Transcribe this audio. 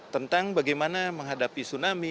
tentang bagaimana menghadapi tsunami